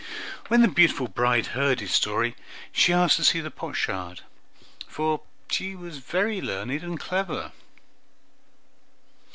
When the beautiful bride heard his story, she asked to see the potsherd, for she was very learned and clever.